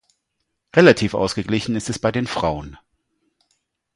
Relativ ausgeglichen ist es bei den Frauen.